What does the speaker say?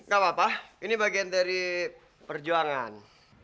gak apa apa ini bagian dari perjuangan